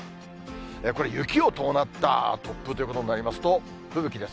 これ、雪を伴った突風ということになりますと、吹雪です。